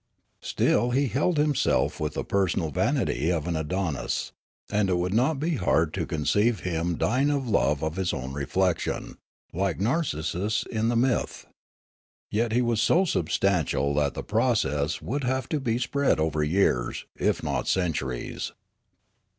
Still he held himself with the personal vanity of an Foolgar 223 Adonis ; and it would not be hard to conceive him d}' ing of love of his own reflection, like Narcissus in the myth. Yet he was so substantial that the process would have to be spread over years, if not centuries.